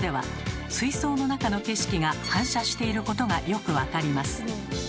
水槽の中の景色が反射していることがよく分かります。